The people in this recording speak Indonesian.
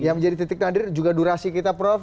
yang menjadi titik nadir juga durasi kita prof